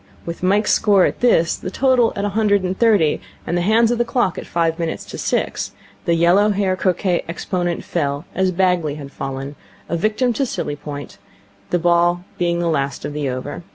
With Mike's score at this, the total at a hundred and thirty, and the hands of the clock at five minutes to six, the yellow haired croquet exponent fell, as Bagley had fallen, a victim to silly point, the ball being the last of the over.